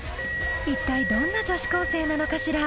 一体どんな女子高生なのかしら？